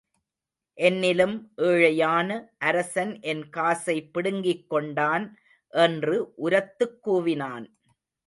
என்னிலும் ஏழையான அரசன் என் காசை பிடுங்கிக்கொண்டான் என்று உரத்துக் கூவினான்.